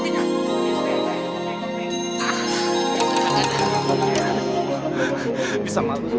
bisa malu semua